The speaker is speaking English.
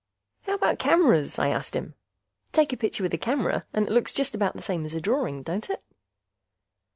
"How about cameras?" I asked him. "Take a picture with a camera and it looks just about the same as a drawing, don't it?"